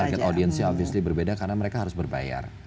dan target audience nya obviously berbeda karena mereka harus berbayar